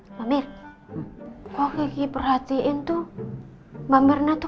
mbak mir kok kaki perhatiin tuh mbak mirna tuh